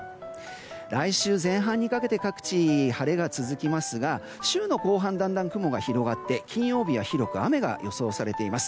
来週前半にかけて各地、晴れが続きますが週の後半、だんだん雲が広がって金曜日は広く雨が予想されています。